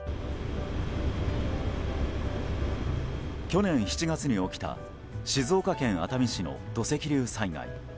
去年７月に起きた静岡県熱海市の土石流災害。